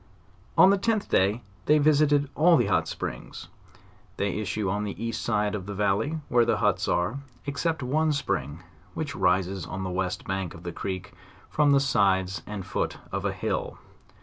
On the 10th they visited all the hot springs. They issue on the east side of the valley, where the huts are, except one spring, which rises on the west bank of the creek, from the sides and foot of a hill.